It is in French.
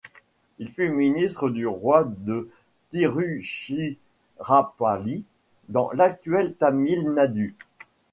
Il fut ministre du roi de Tiruchirapalli, dans l'actuel Tamil Nadu.